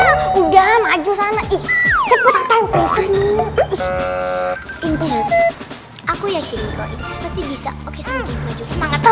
aku yakin kalau insis pasti bisa